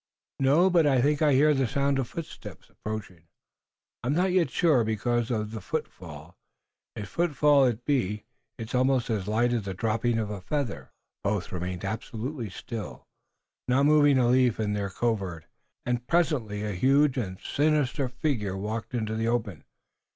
"No, but I think I hear the sound of footsteps approaching. I am not yet sure, because the footfall, if footfall it be, is almost as light as the dropping of a feather." Both remained absolutely still, not moving a leaf in their covert, and presently a huge and sinister figure walked into the open.